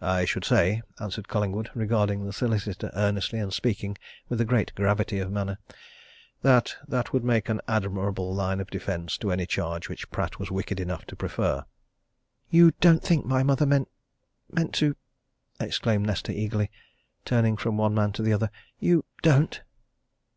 "I should say," answered Collingwood, regarding the solicitor earnestly, and speaking with great gravity of manner, "that that would make an admirable line of defence to any charge which Pratt was wicked enough to prefer." "You don't think my mother meant meant to " exclaimed Nesta, eagerly turning from one man to the other. "You don't?"